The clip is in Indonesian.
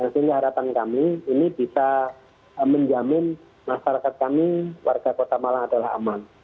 sehingga harapan kami ini bisa menjamin masyarakat kami warga kota malang adalah aman